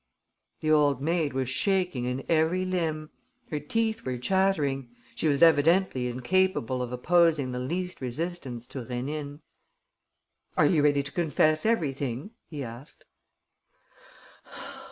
The old maid was shaking in every limb. Her teeth were chattering. She was evidently incapable of opposing the least resistance to Rénine. "Are you ready to confess everything?" he asked.